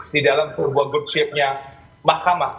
di dalam sebuah good shape nya makamah